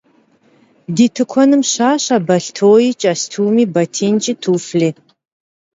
Di tıkuenım şaşe belhtoi, ç'estumi, batinç'i, tuflhi.